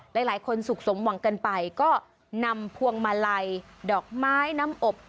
หลายคนสุขสมหวังกันไปก็นำพวงมาลัยดอกไม้น้ำอบ